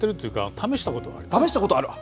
試したことはある？